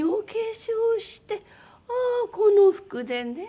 「ああこの服でね」